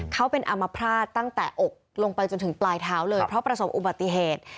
เขาเป็นอามภาษณ์ตั้งแต่อกลงไปจนถึงปลายเท้าเลยเพราะประสบอุบัติเหตุ